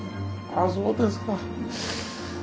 ああそうですか。